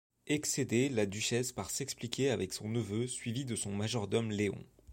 Excédée la duchesse part s'expliquer avec son neveu suivi de son majordome Léon.